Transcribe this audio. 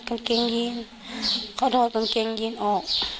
กางเกงยีนเขาถอดกางเกงยีนออก